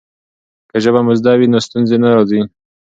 که ژبه مو زده وي نو ستونزې نه راځي.